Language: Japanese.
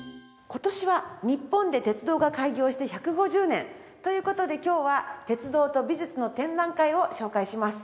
今年は日本で鉄道が開業して１５０年。という事で今日は鉄道と美術の展覧会を紹介します。